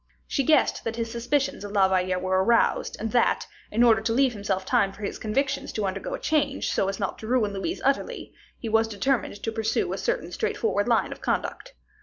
She guessed that his suspicions of La Valliere were aroused, and that, in order to leave himself time for his convictions to undergo a change, so as not to ruin Louise utterly, he was determined to pursue a certain straightforward line of conduct.